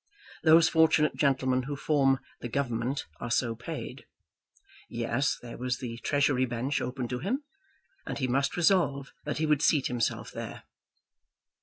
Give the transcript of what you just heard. Those fortunate gentlemen who form "The Government" are so paid. Yes; there was the Treasury Bench open to him, and he must resolve that he would seat himself there.